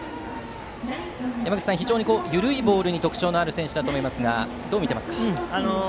非常に緩いボールに特徴のある選手だと思いますがどう見ていますか。